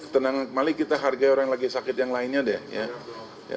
tenang mali kita hargai orang yang lagi sakit yang lainnya deh ya